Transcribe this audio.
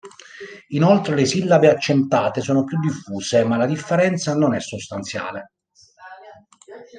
Inoltre, le sillabe accentate sono più diffuse, ma la differenza non è sostanziale.